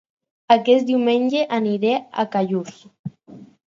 Aquest diumenge aniré a Callús